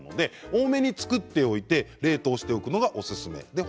多めに作っておいて冷凍保存しておくのがおすすめです。